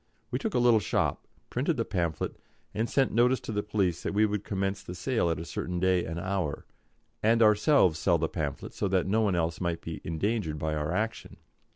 We took a little shop, printed the pamphlet, and sent notice to the police that we would commence the sale at a certain day and hour, and ourselves sell the pamphlet, so that no one else might be endangered by our action.